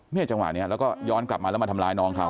จังหวะนี้แล้วก็ย้อนกลับมาแล้วมาทำร้ายน้องเขา